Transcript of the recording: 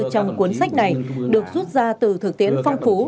trong cuốn sách này được rút ra từ thực tiễn phong phú